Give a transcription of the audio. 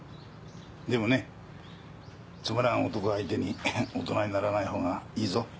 でもねつまらん男相手に大人にならないほうがいいぞ。